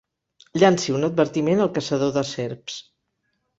Llanci un advertiment al caçador de serps.